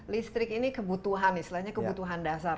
listrik ini kebutuhan ya selainnya kebutuhan dasar